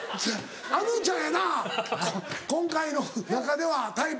あのちゃんやな今回の中ではタイプ。